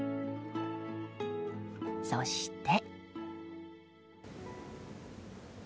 そして。